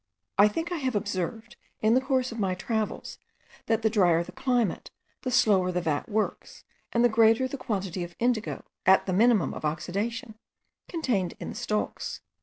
I think I have observed, in the course of my travels, that the drier the climate, the slower the vat works, and the greater the quantity of indigo, at the minimum of oxidation, contained in the stalks.